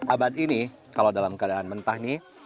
abad ini kalau dalam keadaan mentah nih